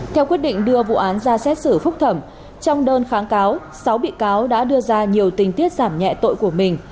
theo quyết định đưa vụ án ra xét xử phúc thẩm trong đơn kháng cáo sáu bị cáo đã đưa ra nhiều tình tiết giảm nhẹ tội của mình